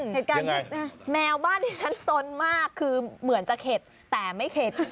เหตุการณ์นี้แมวบ้านที่ฉันสนมากคือเหมือนจะเข็ดแต่ไม่เข็ด